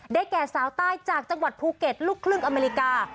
แก่สาวใต้จากจังหวัดภูเก็ตลูกครึ่งอเมริกา